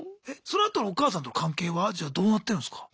そのあとのお母さんと関係はじゃあどうなってるんすか？